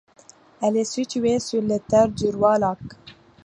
Elle est située sur les terres du roi Lac.